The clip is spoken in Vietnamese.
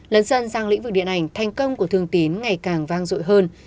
lần dần giang lĩnh vực điện ảnh thành công của thương tín ngày càng vang dội hơn